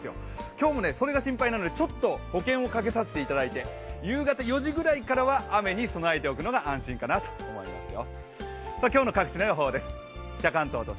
今日もそれが心配なので、ちょっと保険をかけさせていただいて夕方４時ぐらいからは雨に備えておくのが安心かなと思いますよ。